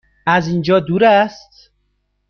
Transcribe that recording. از اینجا دور است؟